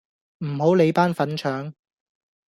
唔好理班粉腸